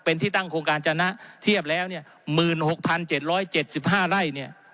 เป็นที่ตั้งโครงการจณะเทียบแล้ว๑๖๗๗๕ไร้